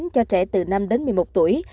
cho trẻ từ năm đến một mươi một tuổi